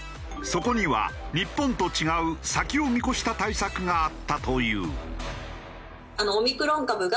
そこには日本と違う先を見越した対策があったという。